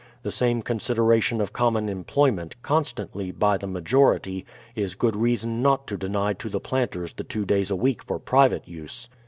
The same consideration of com mon emplo3'ment, constantly, by the majority, is good reason not to deny to the planters the two days a week for private use.